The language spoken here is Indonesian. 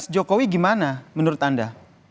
jokowi gimana menurut anda